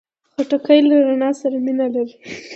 خټکی له رڼا سره مینه لري.